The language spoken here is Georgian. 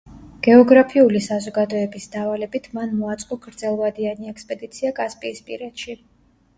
გეოგრაფიული საზოგადოების დავალებით მან მოაწყო გრძელვადიანი ექსპედიცია კასპიისპირეთში.